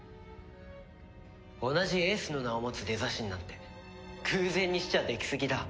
同じ「エース」の名を持つデザ神なんて偶然にしちゃ出来過ぎだ。